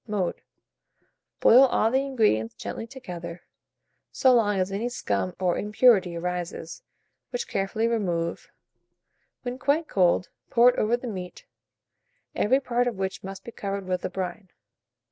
Mode. Boil all the ingredients gently together, so long as any scum or impurity arises, which carefully remove; when quite cold, pour it over the meat, every part of which must be covered with the brine.